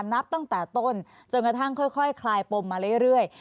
นับตั้งแต่ต้นจนกระทั่งค่อยคลายปมมาเรื่อย